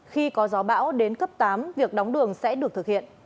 khi có gió bão đến cấp tám việc đóng đường sẽ được thực hiện